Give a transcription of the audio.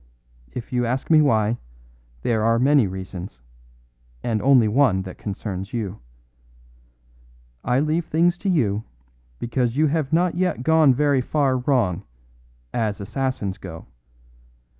If you ask me why, there are many reasons, and only one that concerns you. I leave things to you because you have not yet gone very far wrong, as assassins go.